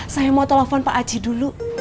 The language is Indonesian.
saya mau telepon pak aci dulu